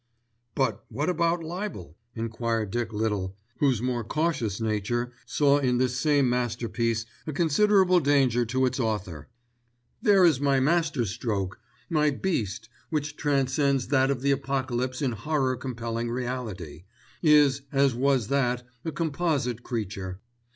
"But what about libel?" enquired Dick Little, whose more cautious nature saw in this same masterpiece a considerable danger to its author. "There is my master stroke. My Beast, which transcends that of the Apocalypse in horror compelling reality, is, as was that, a composite creature.